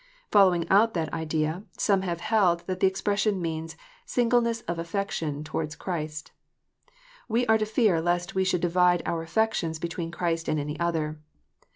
Following out that idea, some have held that the expression means "singleness of affection towards Christ ;" we are to fear lest we should divide our affections between Christ and any other.